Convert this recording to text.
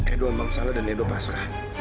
edo memang salah dan edo pasrah